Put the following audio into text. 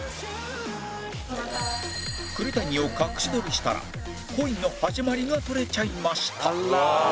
栗谷を隠し撮りしたら恋の始まりが撮れちゃいました